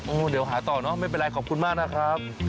โอ้โหเดี๋ยวหาต่อเนอะไม่เป็นไรขอบคุณมากนะครับ